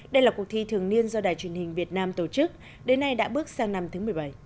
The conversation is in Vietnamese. đây là cuộc thi thường niên do đài truyền hình việt nam tổ chức đến nay đã bước sang năm thứ một mươi bảy